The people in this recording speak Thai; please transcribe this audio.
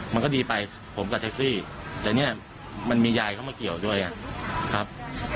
มันก็ดีไปผมกับแท็กซี่แต่เนี่ยมันมียายเข้ามาเกี่ยวด้วยครับ